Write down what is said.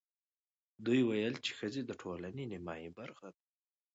دوی ویل چې ښځې د ټولنې نیمايي برخه ده.